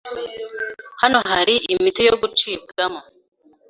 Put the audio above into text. Hano hari imiti yo gucibwamo.